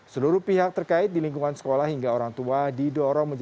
seluruh pihak terkait di lingkungan sekolah hingga orang tua didorong